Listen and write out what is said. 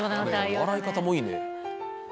笑い方もいいね。